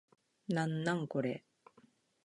なんなんこれ